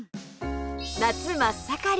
夏真っ盛り！